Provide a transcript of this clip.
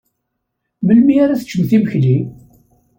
Melmi ara teččemt imekli?